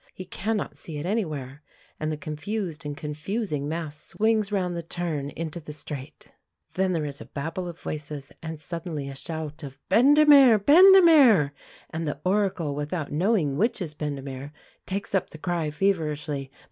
He cannot see it anywhere, and the confused and confusing mass swings round the turn into the straight. Then there is a babel of voices, and suddenly a shout of "Bendemeer! Bendemeer!" and the Oracle, without knowing which is Bendemeer, takes up the cry feverishly.